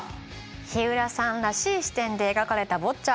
ひうらさんらしい視点で描かれたボッチャ。